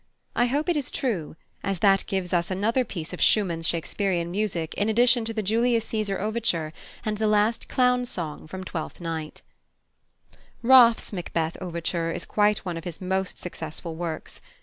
I hope it is true, as that gives us another piece of Schumann's Shakespearian music in addition to the Julius Cæsar overture and the last Clown's song from Twelfth Night. +Raff's+ "Macbeth" overture is quite one of his most successful works.